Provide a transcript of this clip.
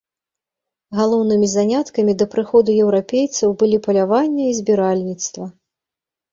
Галоўнымі заняткамі да прыходу еўрапейцаў былі паляванне і збіральніцтва.